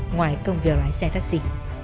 ngoài công việc lái xe taxi